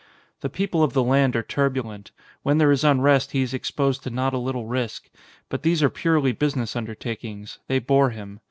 The people of the land are turbulent; when there is unrest he is exposed to not a little risk. But these are purely business undertakings. They bore him.